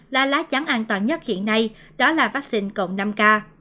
là lá chắn an toàn nhất hiện nay đó là vaccine cộng năm k